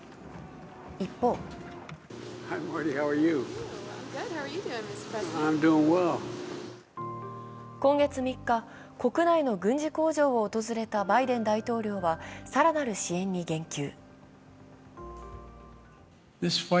一方今月３日、国内の軍事工場を訪れたバイデン大統領は更なる支援に言及。